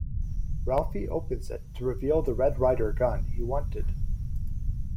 Ralphie opens it to reveal the Red Ryder gun he wanted.